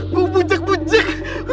gue bujak bujak